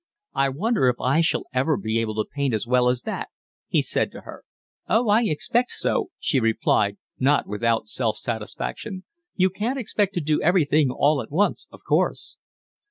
"I wonder if I shall ever be able to paint as well as that," he said to her. "Oh, I expect so," she replied, not without self satisfaction. "You can't expect to do everything all at once, of course."